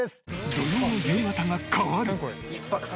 土曜の夕方が変わる！